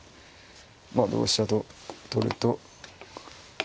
同飛車と取ると。